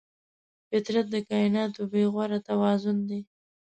فطرت د کایناتو بېغوره توازن دی.